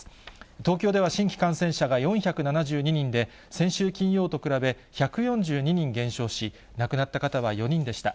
東京では新規感染者が４７２人で、先週金曜と比べ１４２人減少し、亡くなった方は４人でした。